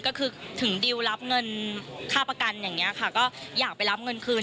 ก็คือถึงดิวรับเงินค่าประกันอย่างนี้ค่ะก็อยากไปรับเงินคืน